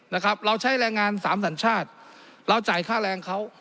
นะครับเราใช้แรงงานสามสัญชาติเราจ่ายค่าแรงเขา